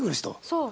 そう。